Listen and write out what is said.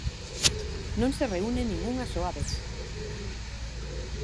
¡Non se reúne nin unha soa vez!